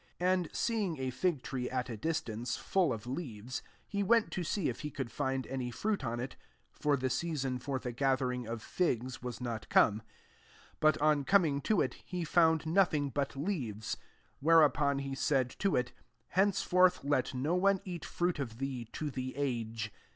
13 And seeing a fig tree at a distance, full of leaves, he went to see if he could find any fruit on it, (for the season for the gathering of figs was not come,) but on coming to it, he found nothing but leaves. 14 Whereupon he said to it; " Henceforth let no one eat fruit of thee to the age."